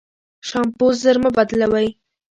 شامپو ژر مه بدلوی.